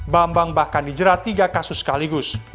bambang bahkan dijerat tiga kasus sekaligus